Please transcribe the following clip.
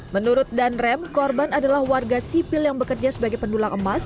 menurut danrem korban adalah warga sipil yang bekerja sebagai pendulang emas